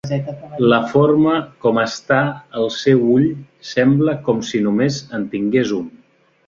La forma com està el seu ull sembla com si només en tingués un.